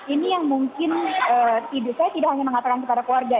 ini yang mungkin saya tidak hanya mengatakan kepada keluarga